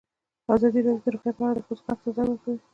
ازادي راډیو د روغتیا په اړه د ښځو غږ ته ځای ورکړی.